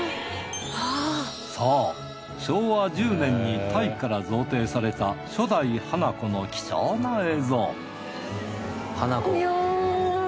そう昭和１０年にタイから贈呈された初代花子の貴重な映像いや。